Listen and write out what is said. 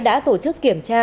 đã tổ chức kiểm tra